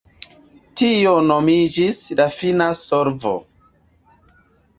Tio nomiĝis “la fina solvo”.